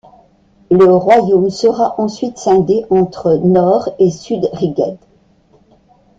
Le royaume sera ensuite scindé entre Nord et Sud Rheged.